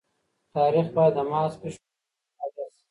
تاریخ باید د محض پېښو په توګه مطالعه سي.